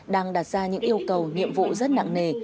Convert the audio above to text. đang đặt ra những yêu cầu nhiệm vụ rất nặng nề